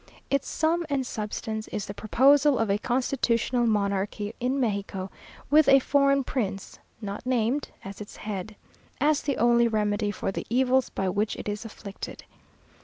Its sum and substance is the proposal of a constitutional Monarchy in Mexico, with a foreign prince (not named) at its head, as the only remedy for the evils by which it is afflicted.